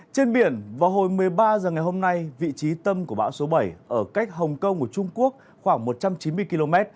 trên biển vào hồi một mươi ba h ngày hôm nay vị trí tâm của bão số bảy ở cách hồng kông của trung quốc khoảng một trăm chín mươi km